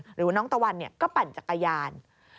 หรือน้องตะวันเนี่ยก็ปั่นจักรยาน